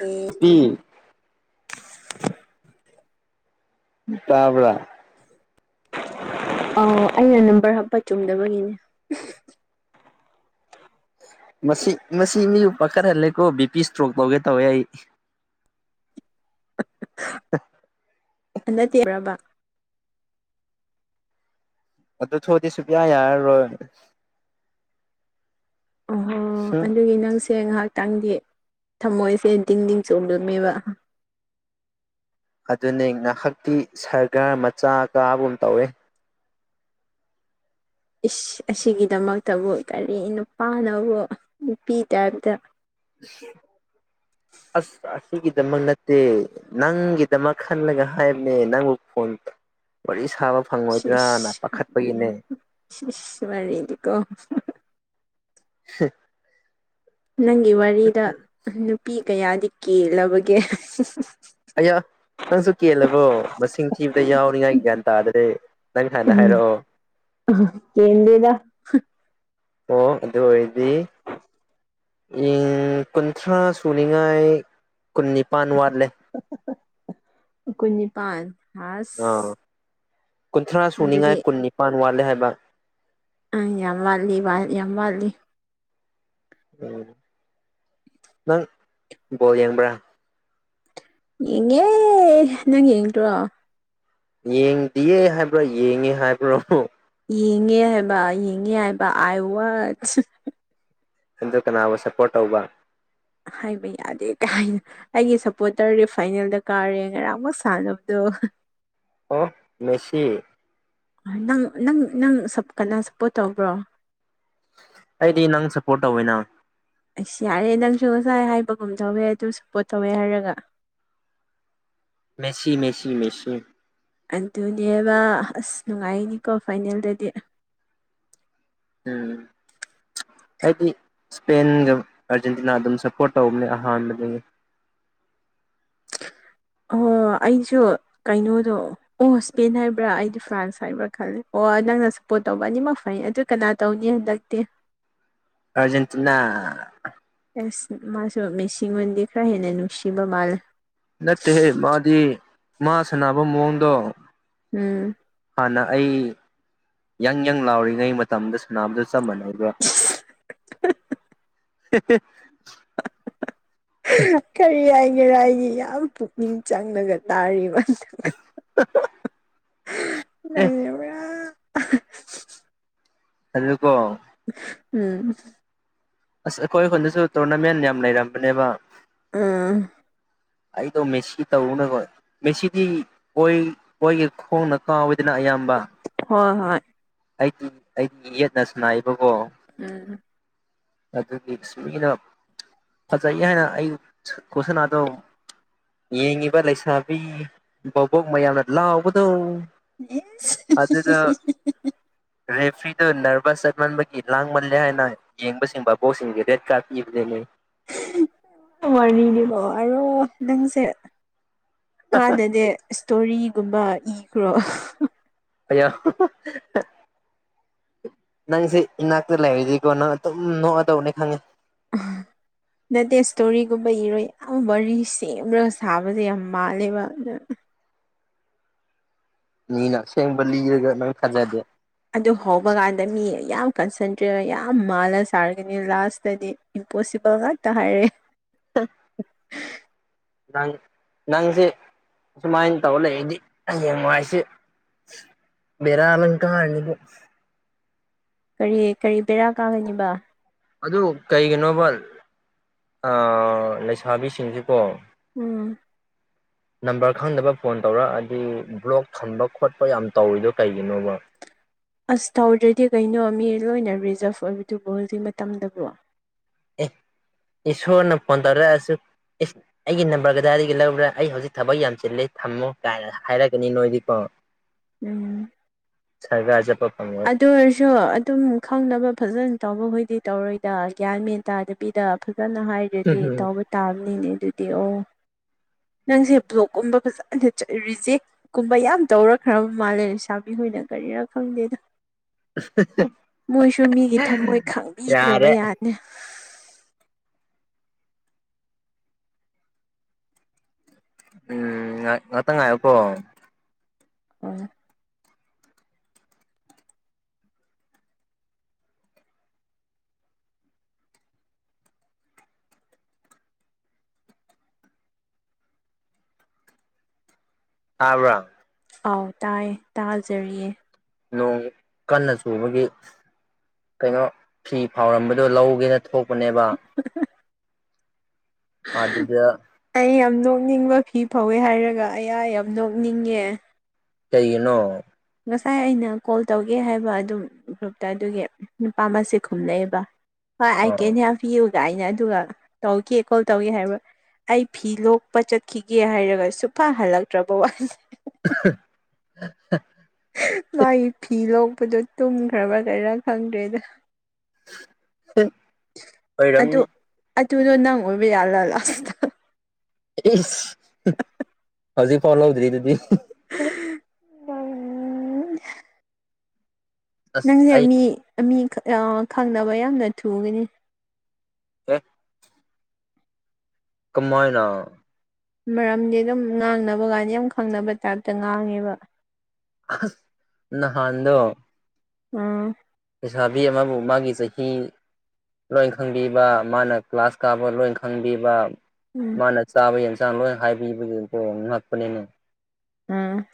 ꯎ ꯇꯤ ꯇꯥꯕ꯭ꯔ ꯑ ꯑꯩꯅ ꯅꯝꯕꯔ ꯍꯥꯞꯄ ꯆꯨꯝꯗꯕꯒꯤꯅꯦ ꯃꯁꯤ ꯃꯁꯤ ꯃꯤꯕꯨ ꯄꯥꯈꯠꯍꯜꯂꯦꯀꯣ ꯕꯤ ꯄꯤ ꯏꯁꯇ꯭ꯔꯣꯛ ꯇꯧꯒꯦ ꯇꯧꯋꯦ ꯑꯩ ꯑꯟ ꯇꯦꯕ꯭ꯔꯕ ꯑꯗꯨ ꯊꯣꯛꯑꯗꯤ ꯁꯨꯛꯌꯥ ꯌꯥꯔꯔꯣꯏ ꯑꯣꯍꯣ ꯍꯨꯝ ꯑꯗꯨꯒꯤ ꯅꯪꯁꯦ ꯉꯥꯏꯍꯥꯛꯇꯪꯗꯤ ꯊꯝꯃꯣꯏꯁꯦ ꯗꯤꯡ ꯗꯤꯡ ꯆꯣꯂꯝꯃꯦꯕ ꯑꯗꯨꯅꯤ ꯉꯥꯏꯍꯥꯛꯇꯤ ꯁꯔꯒꯔ ꯃꯆꯥ ꯀꯥꯕꯨꯝ ꯇꯧꯋꯦ ꯑꯁꯤꯒꯤꯗꯃꯛꯇꯕꯨ ꯀꯔꯤ ꯅꯨꯄꯥꯅꯕꯨ ꯅꯨꯄꯤ ꯇꯥꯏꯞꯇ ꯑꯁ ꯑꯁꯤꯒꯤꯗꯃꯛ ꯅꯠꯇꯦ ꯅꯪꯒꯤꯗꯃꯛ ꯈꯜꯂꯒ ꯍꯥꯏꯕꯅꯦ ꯅꯪꯕꯨ ꯐꯣꯟ ꯋꯥꯔꯤ ꯁꯥꯕ ꯐꯪꯉꯣꯏꯗ꯭ꯔꯅ ꯄꯥꯈꯠꯄꯒꯤꯅꯦ ꯏꯁ ꯏꯁ ꯋꯥꯔꯤꯗꯤꯀꯣ ꯍ ꯅꯪꯒꯤ ꯋꯥꯔꯤꯗ ꯅꯨꯄꯤ ꯀꯌꯥꯗꯤ ꯀꯦꯜꯂꯕꯒꯦ ꯑꯌꯥ ꯅꯪꯁꯨ ꯀꯦꯜꯂꯕꯣ ꯃꯁꯤꯡ ꯊꯤꯕꯗ ꯌꯥꯎꯔꯤꯉꯥꯏ ꯒ꯭ꯌꯥꯟ ꯇꯥꯗ꯭ꯔꯦ ꯅꯪ ꯍꯥꯟꯅ ꯎꯝ ꯍꯥꯏꯔꯛꯑꯣ ꯀꯦꯟꯗꯦꯗ ꯑꯣ ꯑꯗꯨ ꯑꯣꯏꯔꯗꯤ ꯀꯨꯟꯊ꯭ꯔꯥ ꯁꯨꯅꯤꯉꯥꯏ ꯀꯨꯟꯅꯤꯄꯥꯟ ꯋꯥꯠꯂꯦ ꯀꯨꯟꯅꯤꯄꯥꯟ ꯍ ꯑꯥ ꯀꯨꯟꯊ꯭ꯔꯥ ꯁꯨꯅꯤꯡꯉꯥꯏ ꯑꯗꯨꯗꯤ ꯀꯨꯟ ꯅꯤꯄꯥꯟ ꯋꯥꯠꯂꯦ ꯍꯥꯏꯕ ꯑ ꯌꯥꯝ ꯋꯥꯠꯂꯤ ꯌꯥꯝ ꯋꯥꯠꯂꯤ ꯎꯝ ꯅꯪ ꯕꯣꯜ ꯌꯦꯡꯕ꯭ꯔꯥ ꯌꯦꯡꯉꯦ ꯅꯪ ꯌꯦꯡꯗ꯭ꯔꯣ ꯌꯦꯡꯗꯤꯌꯦ ꯍꯥꯏꯕ꯭ꯔꯣ ꯌꯦꯡꯉꯦ ꯍꯥꯏꯕ꯭ꯔꯣ ꯌꯦꯡꯉꯦ ꯍꯥꯏꯕ ꯌꯦꯡꯉꯦ ꯍꯥꯏꯕ ꯑꯥꯏ ꯋꯥꯆ ꯑꯗꯣ ꯀꯅꯥꯕꯨ ꯁꯞꯄꯣꯔꯠ ꯇꯧꯕ ꯍꯥꯏꯕ ꯌꯥꯗꯦ ꯀꯩꯥꯏꯅ ꯑꯩꯒꯤ ꯁꯞꯄꯣꯔꯇꯔꯒꯤ ꯐꯥꯏꯅꯦꯜꯗ ꯀꯥꯔꯦ ꯉꯔꯥꯡꯃꯛ ꯁꯥꯟꯅꯕꯗꯣ ꯑꯣ ꯃꯦꯁꯤ ꯅꯪ ꯅꯪ ꯅꯪ ꯁꯞ ꯀꯅꯥ ꯁꯞꯄꯣꯔꯠ ꯇꯧꯕ꯭ꯔꯣ ꯑꯩꯗꯤ ꯅꯪ ꯁꯞꯄꯣꯔꯠ ꯇꯧꯋꯤꯅ ꯑꯁ ꯌꯥꯔꯦ ꯅꯪꯁꯨ ꯉꯁꯥꯏ ꯍꯥꯏꯕꯒꯨꯝ ꯇꯧꯋꯦ ꯑꯗꯨꯝ ꯁꯞꯄꯣꯔꯠ ꯇꯧꯋꯦ ꯍꯥꯏꯔꯒ ꯃꯦꯁꯤ ꯃꯦꯁꯤ ꯃꯦꯁꯤ ꯑꯗꯨꯅꯦꯕ ꯑꯁ ꯅꯨꯡꯉꯥꯏꯅꯤꯀꯣ ꯐꯥꯏꯅꯦꯜꯗꯗꯤ ꯎꯝ ꯑꯩꯗꯤ ꯏꯁꯄꯦꯟꯒ ꯑꯥꯔꯖꯦꯟꯇꯤꯅꯥ ꯑꯗꯨꯝ ꯁꯞꯄꯣꯔꯠ ꯇꯧꯕꯅꯦ ꯑꯍꯥꯟꯕꯗꯒꯤ ꯑꯣ ꯑꯩꯁꯨ ꯀꯩꯅꯣꯗꯣ ꯑꯣ ꯁ꯭ꯄꯦꯟ ꯍꯥꯏꯕ꯭ꯔꯥ ꯑꯩꯗꯤ ꯐ꯭ꯔꯥꯟꯁ ꯍꯥꯏꯕ꯭ꯔꯥ ꯈꯜꯂꯦ ꯑꯣ ꯅꯪꯅ ꯁꯞꯄꯣꯔꯠ ꯇꯧꯕ ꯑꯅꯤꯃꯛ ꯐꯩꯅꯤ ꯑꯗꯨ ꯀꯅꯥ ꯇꯧꯅꯤ ꯍꯟꯗꯛꯇꯤ ꯑꯔꯖꯦꯟꯇꯤꯅꯥ ꯑꯦꯁ ꯃꯥꯁꯨ ꯃꯤꯁꯤꯡꯣꯟꯗꯤ ꯈꯔ ꯍꯦꯟꯅ ꯅꯨꯡꯁꯤꯕ ꯃꯥꯜꯂꯦ ꯅꯠꯇꯦꯍꯦ ꯃꯥꯗꯤ ꯃꯥ ꯁꯥꯟꯅꯕ ꯃꯑꯣꯡꯗꯣ ꯎꯝ ꯍꯅ ꯑꯩ ꯌꯪ ꯌꯪ ꯂꯥꯎꯔꯤꯉꯩ ꯃꯇꯝꯗ ꯁꯅꯥꯝꯗꯨ ꯆꯞ ꯃꯥꯟꯅꯩ ꯑꯗꯨꯒ [unintelligible] ꯀꯔꯤ ꯍꯥꯏꯒꯔ ꯍꯥꯏꯒꯤ ꯌꯥꯝ ꯄꯨꯛꯅꯤꯡ ꯆꯪꯉꯒ ꯇꯥꯔꯤꯕ ꯑꯗꯨꯒ [unintelligible] ꯅꯅꯦ ꯑꯗꯨꯀꯣ ꯎꯝ ꯑꯁ ꯑꯩꯈꯣꯏ ꯑꯩꯈꯣꯏꯗꯁꯨ ꯇꯣꯔꯅꯥꯃꯦꯟ ꯌꯥꯝ ꯂꯩꯔꯝꯕꯅꯦꯕ ꯑꯥ ꯑꯩꯗ ꯃꯦꯁꯤ ꯇꯧꯅ ꯀꯣ ꯃꯦꯁꯤꯗꯤ ꯑꯣꯏ ꯑꯣꯏꯣꯏꯒꯤ ꯈꯣꯡꯅ ꯀꯥꯎꯋꯤꯗꯅ ꯑꯌꯥꯝꯕ ꯍꯣꯏ ꯍꯣꯏ ꯑꯩꯗꯤ ꯑꯩꯗꯤ ꯌꯦꯠꯅꯁꯨꯅꯥꯏꯕꯀꯣ ꯎꯝ ꯑꯗꯨꯒꯤ ꯁꯃꯤꯅ ꯐꯖꯩ ꯍꯥꯏꯅ ꯑꯩ ꯀꯣꯁꯅꯥꯗꯣ ꯌꯦꯡꯉꯤꯕ ꯂꯩꯁꯥꯕꯤ ꯕꯕꯣꯛ ꯃꯌꯥꯝꯅ ꯂꯥꯎꯕꯗꯧ ꯑꯗꯨꯗꯗ ꯔꯦꯐ꯭ꯔꯤꯗꯨ ꯅꯚꯁ ꯆꯠꯃꯟꯕꯒꯤ ꯂꯥꯡꯃꯜꯂꯦ ꯍꯥꯏꯅ ꯌꯦꯡꯕꯁꯤ ꯕꯕꯣꯛꯁꯤꯡꯒꯤꯦꯗꯦꯠ ꯀꯥ ꯏꯅꯤ ꯋꯥꯔꯅꯤꯡꯅꯦꯕꯣ ꯍꯥꯏꯔꯣ ꯅꯪꯁꯦ ꯀꯥꯟꯅꯗꯦ ꯏꯁꯇꯣꯔꯤꯒꯨꯝꯕ ꯏꯈ꯭ꯔꯣ [unintelligible] ꯅꯪꯁꯦ ꯏꯅꯥꯛꯇ ꯂꯩꯔꯗꯀꯣ ꯅꯪ ꯑꯗꯨꯝ ꯅꯣꯛꯑ ꯇꯧꯕꯅꯦ ꯈꯪꯉꯦ ꯎꯝ ꯅꯠꯇꯦ ꯏꯁꯇꯣꯔꯤꯒꯨꯝꯕ ꯏꯔꯣ ꯌꯥꯝ ꯋꯥꯔꯤ ꯁꯦꯝꯔꯒ ꯁꯥꯕꯁꯦ ꯌꯥꯝ ꯃꯥꯜꯂꯦꯕ ꯑꯗꯨ ꯃꯤꯅ ꯑꯁꯦꯡꯕ ꯂꯤꯔꯒ ꯅꯪ ꯐꯥꯖꯗꯦ ꯑꯗꯨ ꯍꯧꯕ ꯀꯥꯟꯗ ꯃꯤ ꯌꯥꯝ ꯀꯟꯁꯟꯇ꯭ꯔꯦꯠ ꯌꯥꯝ ꯃꯥꯜꯂ ꯁꯥꯔꯒꯅꯤ ꯂꯥꯁꯇꯗꯤ ꯏꯝꯄꯣꯁꯤꯕꯜ ꯉꯇ ꯍꯥꯏꯔꯦ ꯑꯝ ꯅꯪ ꯅꯪꯁꯦ ꯑꯁꯨꯃꯥꯏꯅ ꯇꯧꯔ ꯂꯩꯗꯤ ꯍ ꯍꯌꯦꯡ ꯅꯨꯡꯉꯥꯏꯁꯤ ꯕꯔ ꯑꯂꯪꯀ ꯍꯥꯏꯅꯤꯒ ꯀꯔꯤ ꯀꯔꯤ ꯄꯕꯦꯔꯥ ꯀꯥꯒꯅꯤꯕ ꯑꯗꯨ ꯀꯩꯒꯤꯅꯣꯕ ꯂꯩꯁꯥꯕꯤꯁꯤꯡꯁꯤꯦꯀꯣ ꯎꯝ ꯅꯝꯕꯔ ꯈꯪꯗꯕ ꯐꯣꯟ ꯇꯧꯔꯛꯑꯗꯤ ꯕ꯭ꯂꯣꯛ ꯊꯝꯕ ꯈꯣꯠꯄ ꯌꯥꯝ ꯇꯧꯔꯤꯗꯣ ꯀꯩꯒꯤꯅꯣꯕ ꯑꯁ ꯇꯧꯗ꯭ꯔꯗꯤ ꯀꯩꯅꯣ ꯃꯤ ꯂꯣꯏꯅ ꯔꯤꯖꯥꯞ ꯑꯣꯏꯕꯗꯨꯕꯨꯣ ꯍꯧꯖꯤꯛ ꯃꯇꯝꯗꯕꯨꯣ ꯑꯦ ꯏꯁꯣꯔꯅ ꯄꯗꯔꯗ ꯑꯁ ꯏꯁ ꯑꯩꯒꯤ ꯅꯝꯕꯔꯀꯗꯥꯏꯗꯒꯤ ꯂꯧꯕꯔꯥ ꯑꯩ ꯍꯧꯖꯤꯛ ꯊꯕꯛ ꯌꯥꯝ ꯆꯤꯜꯂꯤ ꯊꯝꯃꯣ ꯀꯥꯏꯅ꯫ ꯍꯥꯏꯔꯛꯀꯅꯤ ꯅꯣꯏꯗꯤꯀꯣ꯫ ꯎꯝ꯫ [unintelligible] ꯑꯗꯨ ꯑꯣꯏꯔꯁꯨ ꯑꯗꯨꯝ ꯈꯪꯅꯕ ꯐꯖꯅ ꯇꯧꯕꯈꯣꯏꯗꯤ ꯇꯧꯔꯣꯏꯗ ꯒ꯭ꯌꯥꯟ ꯃꯦꯟ ꯇꯥꯗꯕꯤꯗ ꯐꯖꯅ ꯍꯥꯏ ꯑꯗꯨꯗꯤ ꯇꯧꯕ ꯇꯥꯕꯅꯤꯅꯦ ꯑꯗꯨꯗꯤ ꯑꯣ꯫ ꯅꯪꯁꯦ ꯕ꯭ꯂꯣꯛꯀꯨꯝꯕ ꯐꯖꯅ ꯔꯤꯖꯦꯛ ꯀꯨꯝꯕ ꯌꯥꯝ ꯇꯧꯔꯛꯈ꯭ꯔꯕ ꯃꯥꯜꯂꯦ ꯄꯩꯁꯥꯕꯤꯍꯣꯏꯅ ꯀꯔꯤꯔ ꯈꯪꯗꯦꯗ꯫ [unintelligible] ꯃꯣꯏꯁꯨ ꯃꯤꯒꯤ ꯊꯝꯃꯣꯏ ꯈꯪꯕꯤꯗ꯭ꯔꯕ ꯌꯥꯔꯦ ꯌꯥꯠꯅꯤ꯫ ꯎꯝ ꯉꯥ ꯉꯠꯇ ꯉꯥꯏꯌꯨꯀꯣ꯫ ꯑꯣ꯫ ꯇꯕ꯭ꯔꯥ꯫ ꯑꯥꯎ ꯇꯥꯏꯌꯦ ꯇꯥꯖꯔꯤꯌꯦ꯫ ꯅꯣꯡ ꯀꯟꯅ ꯆꯨꯕꯒꯤ꯫ ꯀꯩꯅꯣ ꯐꯤ ꯐꯥꯎꯔꯝꯕꯗꯣ ꯂꯧꯒꯦꯅ ꯊꯣꯛꯄꯅꯦꯕ꯫ ꯐꯖꯗꯦ꯫ ꯑꯩ ꯌꯥꯝ ꯅꯣꯛꯅꯤꯡꯕ ꯐꯤ ꯐꯧꯋꯦ ꯍꯥꯏꯔꯒ ꯑꯌꯥ ꯌꯥꯝ ꯅꯣꯛꯅꯤꯡꯉꯦ꯫ ꯀꯩꯒꯤꯅꯣ꯫ ꯉꯁꯥꯏ ꯑꯩꯅ ꯀꯣꯜ ꯇꯧꯒꯦ ꯍꯥꯏꯕ ꯑꯗꯨꯝ ꯒ꯭ꯔꯨꯞꯇ ꯑꯗꯨꯒꯤ ꯅꯨꯄꯥ ꯃꯁꯤ ꯈꯨꯝꯂꯛꯑꯦꯕ꯫ ꯍꯣꯏ ꯑꯩꯏ ꯑꯥ ꯀꯦꯅꯦꯜ ꯄꯤꯌꯨꯒ ꯀꯥꯏꯅ ꯑꯗꯨꯒ ꯇꯧꯒꯦ ꯀꯣꯜ ꯇꯧꯒꯦ ꯍꯥꯏꯕ꯭ꯔ ꯑꯩ ꯐꯤ ꯂꯣꯛꯄ ꯆꯠꯈꯤꯒꯦ ꯍꯥꯏꯔꯒ ꯁꯨꯡꯐ ꯍꯜꯂꯛꯇ꯭ꯔꯕ ꯋꯥꯅꯤ꯫ [unintelligible] ꯃꯥꯒꯤ ꯐꯤ ꯂꯣꯛꯄꯗꯣ ꯇꯨꯝꯈ꯭ꯔꯕ ꯀꯩꯔꯥ ꯈꯪꯗ꯭ꯔꯦꯗ꯫ ꯑꯗꯨ ꯑꯣꯏꯔꯝꯅꯤ꯫ ꯑꯗꯨꯗꯣ ꯅꯪ ꯑꯣꯏꯕ ꯌꯥꯜꯂꯜꯂꯁ ꯏꯁ ꯍꯧꯖꯤꯛ ꯐꯥꯎ ꯂꯧꯗ꯭ꯔꯤ ꯑꯗꯨꯗꯤ꯫ ꯑꯁ ꯅꯪꯁꯦ ꯑꯩ ꯃꯤ ꯃꯤ ꯈꯪꯅꯕ ꯌꯥꯝꯅ ꯊꯨꯒꯅꯤ꯫ ꯑꯦ꯫ ꯀꯃꯥꯏꯅ꯫ ꯃꯔꯝꯗꯤ ꯑꯗꯨꯝ ꯉꯥꯡꯅꯕ ꯀꯥꯟꯗ ꯌꯥꯝ ꯈꯪꯅꯕ ꯇꯥꯏꯞꯇ ꯉꯥꯡꯉꯦꯕ꯫ ꯑꯁ ꯅꯍꯥꯟꯗꯣ꯫ ꯎꯝ꯫ ꯂꯩꯁꯥꯕꯤ ꯑꯃꯕꯨ ꯃꯥꯒꯤ ꯆꯍꯤ ꯂꯣꯏꯟ ꯈꯪꯕꯤꯕ ꯃꯥꯅ ꯀ꯭ꯂꯥꯁ ꯀꯥꯕ ꯂꯣꯏꯟ ꯈꯪꯕꯤꯕ꯫ ꯎꯝ ꯃꯥꯅ ꯆꯥꯕ ꯌꯦꯟꯁꯥꯡ ꯂꯣꯏ ꯍꯥꯏꯕꯤꯕꯒꯤꯀꯣ ꯉꯛꯄꯅꯤꯅꯦ꯫ ꯎꯝ꯫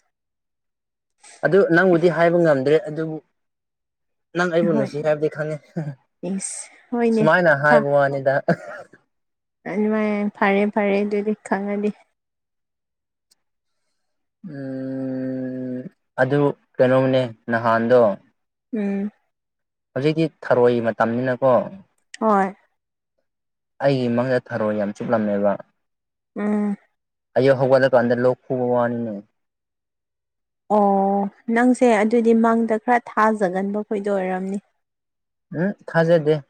ꯑꯗꯨ ꯅꯪꯕꯨꯗꯤ ꯍꯥꯏꯕ ꯉꯝꯗ꯭ꯔꯦ ꯑꯗꯨꯕꯨ ꯅꯪ ꯑꯩꯕꯨ ꯍꯣꯏ ꯅꯨꯡꯁꯤ ꯍꯥꯏꯕꯗꯤ ꯈꯪꯉꯦ ꯏꯁ ꯍꯣꯏꯅꯦ ꯁꯨꯃꯥꯏꯅ ꯍꯥꯏꯕ ꯋꯥꯅꯤꯗ꯫ ꯃꯅꯤ ꯃꯅꯤ ꯐꯔꯦ ꯐꯔꯦ ꯑꯗꯨꯗꯤ ꯈꯪꯉꯗꯤ꯫ ꯑꯗꯨ ꯀꯩꯅꯣꯅꯦ ꯅꯍꯥꯟꯗꯣ꯫ ꯎꯝ꯫ ꯍꯧꯖꯤꯛꯇꯤ ꯊꯔꯣꯏ ꯃꯇꯝꯅꯤꯅꯀꯣ꯫ ꯍꯣꯏ꯫ ꯑꯩꯒꯤ ꯃꯪꯗ ꯊꯔꯣ ꯌꯥꯝ ꯆꯨꯞꯂꯝꯃꯦꯕ꯫ ꯎꯝ꯫ ꯑꯌꯨꯛ ꯍꯧꯒꯠꯂꯀꯥꯟꯗ ꯂꯣꯛ ꯈꯨꯕ ꯋꯥꯅꯤꯅꯦ꯫ ꯑꯣ ꯅꯪꯁꯦ ꯑꯗꯨꯗꯤ ꯃꯪꯗ ꯈꯔ ꯊꯥꯖꯒꯟꯕ ꯈꯣꯏꯗꯣ ꯑꯣꯏꯔꯝꯅꯤ꯫ ꯎꯝ ꯊꯖꯗꯦ꯫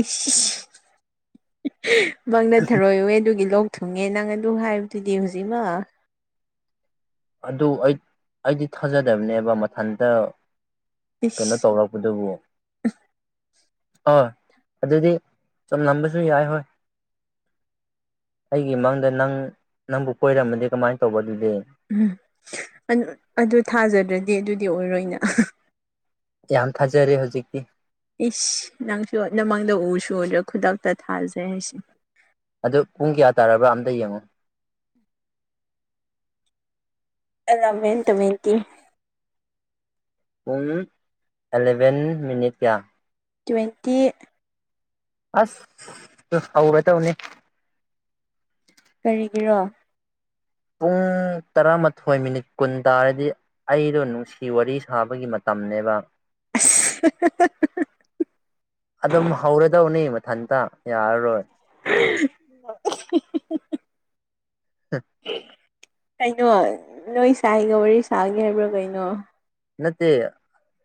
ꯏꯁ ꯃꯪꯅ ꯊꯔꯣꯏ ꯎꯋꯦ ꯑꯗꯨꯒꯤ ꯂꯣꯛ ꯊꯨꯡꯉꯦ ꯅꯪ ꯑꯗꯨ ꯍꯥꯏꯕꯗꯨꯗꯤ ꯍꯧꯖꯤꯛꯃ ꯑꯗꯨ ꯑꯩ ꯑꯩꯗꯤ ꯊꯥꯖꯗꯕꯅꯦꯕ ꯃꯊꯟꯇ ꯀꯩꯅꯣ ꯏꯁ ꯇꯧꯔ ꯗꯨꯕꯨ ꯍꯣꯏ ꯑꯗꯨꯗꯤ ꯆꯝꯂꯝꯕꯁꯨ ꯌꯥꯏ ꯍꯣꯏ ꯑꯩꯒꯤ ꯃꯥꯡꯗ ꯅꯪ ꯅꯪꯕꯨ ꯀꯣꯏꯔꯝꯃꯗꯤ ꯀꯃꯥꯏ ꯇꯧꯕ ꯑꯗꯨꯗꯤ ꯎꯝ ꯑꯗꯨ ꯊꯥꯖꯗ꯭ꯔꯗꯤ ꯑꯗꯨꯗꯤ ꯑꯣꯏꯔꯣꯏꯅ ꯌꯥꯝ ꯊꯥꯖꯔꯦ ꯍꯧꯖꯤꯛꯇꯤ ꯏꯁ ꯅꯪꯁꯨ ꯅꯃꯪꯗ ꯎꯁꯨ ꯎꯗ꯭ꯔ ꯈꯨꯗꯛꯇ ꯊꯥꯖꯩ ꯍꯥꯏꯁꯦ ꯑꯗꯨ ꯄꯨꯡ ꯀꯌꯥ ꯇꯥꯔꯕ꯭ꯔꯥ ꯑꯝꯇ ꯌꯦꯡꯉꯣ ꯑꯦꯂ ꯃꯦꯟ ꯇꯣꯑꯦꯟꯇꯤ ꯄꯨꯡ ꯑꯦꯂꯚꯦꯟ ꯃꯤꯅꯤꯠ ꯀꯌꯥ ꯇ꯭ꯋꯦꯟꯇꯤ ꯑꯁ ꯍꯧꯔꯥꯗꯧꯅꯤ ꯀꯔꯤꯒꯤꯔꯣ ꯄꯨꯡ ꯇꯔꯥꯃꯥꯊꯣꯏ ꯃꯤꯅꯤꯠ ꯀꯨꯟ ꯇꯥꯔꯗꯤ ꯑꯩꯗꯣ ꯅꯨꯡꯁꯤ ꯋꯥꯔꯤ ꯁꯥꯕꯒꯤ ꯃꯇꯝꯅꯦꯕ [unintelligible] ꯑꯗꯨꯝ ꯍꯧꯔꯗꯧꯅꯤ ꯃꯊꯟꯇ ꯌꯥꯔꯔꯣꯏ [inaudible] ꯀꯩꯅꯣ ꯅꯣꯏ ꯁꯥꯏꯒ ꯋꯥꯔꯤ ꯁꯥꯒꯦ ꯍꯥꯏꯕ꯭ꯔꯥ ꯀꯩꯅꯣ ꯅꯠꯇꯦ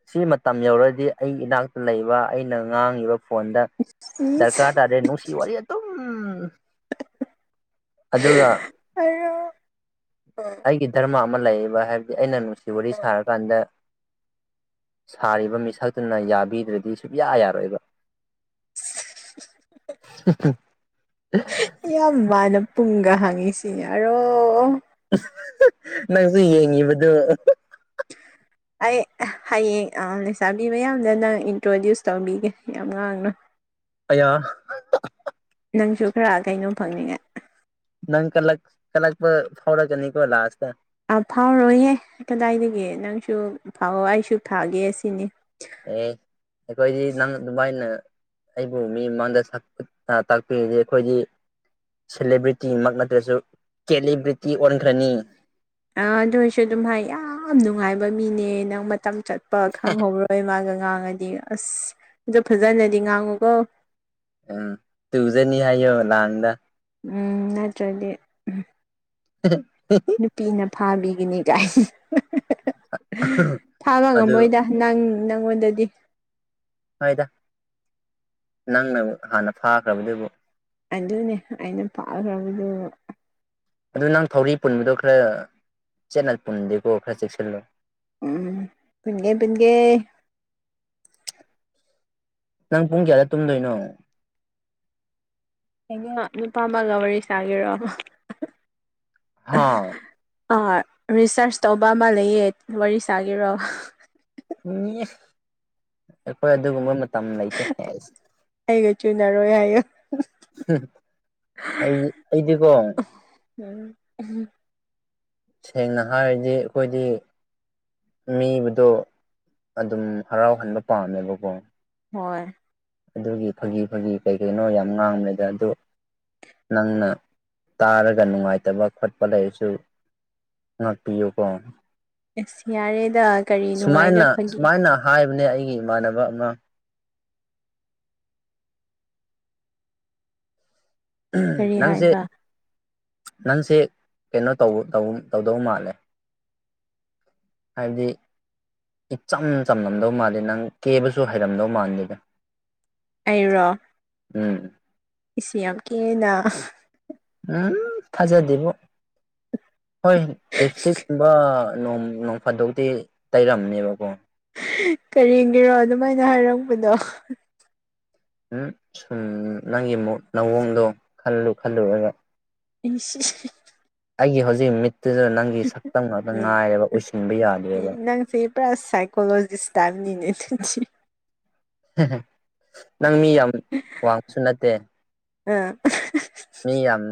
ꯁꯤ ꯃꯇꯝ ꯌꯧꯔꯗꯤ ꯑꯩꯒꯤ ꯏꯅꯥꯛꯇ ꯂꯩꯕ ꯑꯩꯅ ꯉꯥꯡꯉꯤꯕ ꯐꯣꯟꯗ ꯗꯔꯀꯥꯔ ꯏꯁ ꯇꯥꯗꯦ ꯅꯨꯡꯁꯤ ꯋꯥꯔꯤ ꯑꯗꯨꯝ ꯑꯗꯨꯒ ꯑꯌꯣ ꯑꯩꯒꯤ ꯙꯔꯃ ꯑꯃ ꯂꯩꯌꯦꯕ ꯍꯥꯏꯕꯗꯤ ꯑꯩꯅ ꯅꯨꯡꯁꯤ ꯋꯥꯔꯤ ꯁꯥꯔꯀꯥꯟꯗ ꯁꯥꯔꯤꯕ ꯃꯤꯁꯛꯇꯨꯅ ꯌꯥꯕꯤꯗ꯭ꯔꯗꯤ ꯁꯨꯌꯥ ꯌꯥꯔꯣꯏꯕ [unintelligible] ꯌꯥꯝ ꯃꯟꯅ ꯄꯨꯡꯒ ꯍꯥꯡꯉꯤꯁꯤ ꯑꯔꯣ ꯅꯪꯁꯨ ꯌꯦꯡꯉꯤꯕꯗꯨ [inaudible] ꯑꯩ ꯍꯌꯦꯡ ꯑ ꯂꯩꯁꯥꯕꯤ ꯃꯌꯥꯝꯗ ꯅꯪ ꯏꯟꯇ꯭ꯔꯣꯗ꯭ꯌꯨꯁ ꯇꯧꯕꯤꯒꯦ ꯌꯥꯝ ꯉꯥꯡꯅꯨ ꯑꯌꯥ ꯅꯪꯁꯨ ꯈꯔ ꯀꯩꯅꯣ ꯐꯪꯅꯤꯡꯉꯥꯏ ꯅꯪ ꯀꯜꯂꯛ ꯀꯂꯛꯄ ꯐꯥꯎꯔꯛ ꯀꯅꯤꯀꯣ ꯂꯥꯁꯇꯥ ꯐꯥꯎꯔꯣꯏꯍꯦ ꯀꯗꯥꯏꯗꯒꯤ ꯅꯪꯁꯨ ꯐꯥꯎꯑꯣ ꯑꯩꯁꯨ ꯊꯥꯒꯦ ꯁꯤꯅꯤ ꯑꯦ ꯑꯩꯈꯣꯏꯗꯤ ꯅꯪ ꯗꯨꯃꯥꯏꯅ ꯑꯩꯕꯨ ꯃꯤ ꯃꯥꯡꯗ ꯁꯛ ꯇꯥꯛꯄꯤꯔꯗꯤ ꯑꯩꯈꯣꯏꯗꯤ ꯁꯦꯂꯦꯕ꯭ꯔꯤꯇꯤꯃꯛ ꯅꯠꯇ꯭ꯔꯁꯨ ꯀꯦꯂꯤꯕ꯭ꯔꯤꯇꯤ ꯑꯣꯟꯈ꯭ꯔꯅꯤ ꯑ ꯑꯗꯨ ꯑꯣꯏꯁꯨ ꯑꯗꯨꯝ ꯍꯥꯏ ꯌꯥꯝ ꯅꯨꯡꯉꯥꯏꯕ ꯃꯤꯅꯦ ꯅꯪ ꯃꯇꯝ ꯆꯠꯄ ꯈꯪꯍꯧꯔꯣꯏ ꯃꯥꯒ ꯉꯥꯡꯉꯗꯤ ꯑꯁ ꯑꯗꯨ ꯐꯖꯅꯗꯤ ꯉꯥꯡꯉꯨꯀꯣ ꯎꯝ ꯇꯨꯖꯅꯤ ꯍꯥꯏꯌꯣ ꯂꯥꯟꯗ ꯎꯝ ꯅꯠꯇ꯭ꯔꯗꯤ [unintelligible] ꯅꯨꯄꯤꯅ ꯐꯥꯕꯤꯒꯅꯤ ꯒꯥꯏꯟ ꯐꯥꯕ ꯑꯗꯨ ꯉꯝꯃꯣꯏꯗ ꯅꯪ ꯅꯉꯣꯟꯗꯗꯤ ꯍꯣꯏꯗ ꯅꯪꯅ ꯍꯥꯟꯅ ꯐꯥꯈ꯭ꯔꯕꯗꯨꯕꯨ ꯑꯗꯨꯅꯦ ꯑꯩꯅ ꯐꯈꯔ꯭ꯕꯗꯨꯕꯨ ꯑꯗꯨ ꯅꯪ ꯊꯧꯔꯤ ꯄꯨꯟꯕꯗꯣ ꯈꯔ ꯆꯦꯠꯅ ꯄꯨꯟꯗꯦꯀꯣ ꯈꯔ ꯆꯦꯛꯁꯤꯜꯂꯣ ꯎꯝ ꯄꯨꯟꯒꯦ ꯄꯨꯟꯒꯦ ꯅꯪ ꯄꯨꯡ ꯀꯌꯥꯗ ꯇꯨꯝꯗꯣꯏꯅꯣ ꯑꯩꯅ ꯅꯨꯄꯥ ꯑꯃꯒ ꯋꯥꯔꯤ ꯁꯥꯒꯦꯔꯣ ꯍꯥꯥ ꯑꯥ ꯔꯤꯁꯔꯁ ꯇꯧꯕ ꯑꯃ ꯂꯩꯌꯦ ꯋꯥꯔꯤ ꯁꯥꯒꯤꯔꯣ ꯑꯩꯈꯣꯏ ꯑꯗꯨꯒꯨꯝꯕ ꯃꯇꯝ ꯂꯩꯇꯦ ꯑꯩꯒ ꯆꯨꯅꯔꯣꯏ ꯍꯥꯏꯌꯦ ꯑꯩꯗꯤ ꯑꯩꯗꯤ ꯀꯣ ꯎꯝ ꯁꯦꯡꯅ ꯍꯥꯏꯔꯗꯤ ꯑꯩꯈꯣꯏꯗꯤ ꯃꯤꯕꯨꯗꯨ ꯑꯗꯨꯝ ꯍꯔꯥꯎꯍꯟꯕ ꯄꯥꯝꯃꯦꯕꯀꯣ ꯍꯣꯏ ꯑꯗꯨꯒꯤ ꯐꯥꯒꯤ ꯐꯥꯒꯤ ꯀꯩ ꯀꯩꯅꯣ ꯌꯥꯝ ꯉꯥꯡꯃꯦꯗ ꯑꯗꯨ ꯅꯪꯅ ꯇꯥꯔꯒ ꯅꯨꯡꯉꯥꯏꯇꯕ ꯈꯣꯠꯄ ꯂꯩꯔꯁꯨ ꯉꯥꯛꯄꯤꯌꯨ ꯀꯣ ꯢꯁ ꯌꯥꯔꯦꯗ ꯀꯔꯤ ꯅꯨꯡꯉꯥꯏꯗ ꯁꯨꯃꯥꯏꯅ ꯐꯥꯒꯤ ꯁꯨꯃꯥꯏꯅ ꯍꯥꯏꯕꯅꯦ ꯑꯩꯒꯤ ꯏꯃꯥꯟꯅꯕ ꯑꯃ ꯀꯔꯤ ꯅꯪꯁꯦ ꯍꯥꯏꯕ ꯅꯪꯁꯦ ꯀꯩꯅꯣ ꯇꯧꯕ ꯇꯧꯗꯧ ꯃꯥꯜꯂꯦ ꯍꯥꯏꯗꯤ ꯏꯆꯝ ꯆꯝꯂꯝꯗꯧ ꯃꯥꯜꯂꯦ ꯅꯪ ꯀꯦꯕꯁꯨ ꯍꯩꯔꯝꯗꯧ ꯃꯥꯜꯗꯦ ꯑꯩꯔꯣ ꯎꯝ ꯢꯁ ꯌꯥꯝ ꯀꯦꯅ ꯎꯝ ꯊꯥꯖꯗꯦꯕꯣ ꯍꯣꯏ ꯂꯤꯞꯁꯇꯤꯛꯀꯨꯝꯕ ꯅꯣꯡ ꯅꯣꯡ ꯐꯗꯣꯛꯗꯤ ꯇꯩꯔꯝꯅꯦꯕꯀꯣ ꯀꯔꯤꯒꯤꯔꯣ ꯑꯗꯨꯃꯥꯏꯅ ꯍꯥꯏꯔꯛꯄꯗꯣ ꯎ ꯁꯨꯝ ꯅꯪꯒꯤ ꯅꯑꯣꯡꯗꯣ ꯈꯜꯂꯨ ꯈꯜꯂꯨꯔꯒ ꯢꯁ ꯑꯩꯒꯤ ꯍꯧꯖꯤꯛ ꯃꯤꯠꯇꯨꯗ ꯅꯪꯒꯤ ꯁꯛꯇꯝ ꯉꯥꯛꯇ ꯉꯥꯏꯔꯦꯕ ꯎꯁꯤꯟꯕ ꯌꯥꯗꯦꯕ ꯅꯪꯁꯤ ꯄꯨꯔꯥ ꯁꯥꯏꯀꯣꯂꯣꯖꯤꯁꯇꯞꯅꯤꯅꯦ ꯅꯪ ꯃꯤ ꯌꯥꯝ ꯋꯥꯡꯁꯨ ꯅꯠꯇꯦ ꯑꯥ ꯃꯤ ꯌꯥꯝ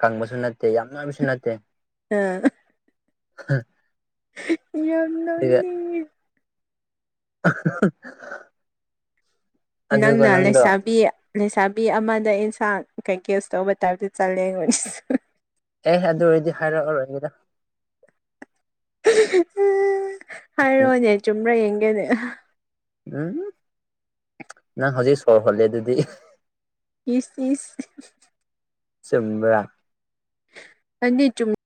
ꯀꯪꯕꯁꯨ ꯅꯠꯇꯦ ꯌꯥꯝ ꯅꯣꯏꯕꯁꯨ ꯅꯠꯇꯦ ꯑꯥ ꯍꯥ [inaudible] ꯌꯥꯝꯅ ꯁꯤꯦ [inaudible] [inaudible] ꯑꯗꯨꯒ ꯅꯪꯅ ꯅꯪꯗꯣ ꯂꯩꯁꯥꯕꯤ ꯂꯩꯁꯥꯕꯤ ꯑꯃꯗ ꯏꯟꯁꯥꯡ ꯀꯩꯀꯦꯁ ꯇꯧꯕ ꯇꯥꯏꯞꯇ ꯆꯠꯂꯦ ꯑꯩꯉꯣꯏꯗ ꯑꯦ ꯑꯗꯨ ꯑꯣꯏꯔꯗꯤ ꯍꯥꯏꯔꯛꯑꯔꯣꯏꯒꯦꯗ ꯍꯥꯏꯔꯣꯅꯦ ꯆꯨꯝꯕ꯭ꯔꯥ ꯌꯦꯡꯒꯅꯦ ꯎꯝ ꯅꯪ ꯍꯧꯖꯤꯛ ꯁꯣꯔ ꯍꯣꯜꯂꯤꯗꯨꯗꯤ ꯏꯁ ꯏꯁ ꯆꯨꯝꯕ꯭ꯔ ꯀꯅꯤ ꯆꯨꯝ [inaudible]